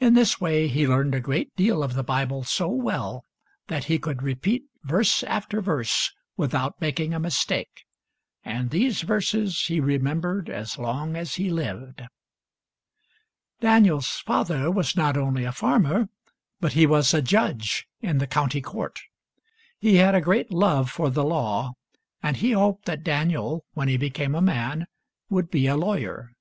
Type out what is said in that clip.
In this way he learned a great deal of the Bible so well that he could repeat verse after verse without making a mistake; and these verses he remembered as long as he lived. Daniel's father was not only a farmer, but he was a judge in the county court. He had a great love for the law, and he hoped that Daniel when he became a man would be a lawyer.